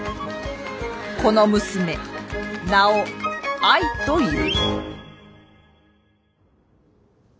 この娘名を愛という。